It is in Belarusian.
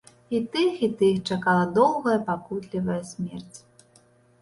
І тых, і тых чакала доўгая пакутлівая смерць.